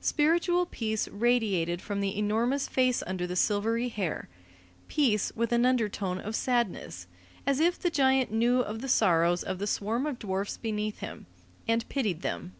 Spiritual peace radiated from the enormous face under the silvery hair, peace with an undertone of sadness, as if the giant knew of the sorrows of the swarm of dwarfs beneath him, and pitied them.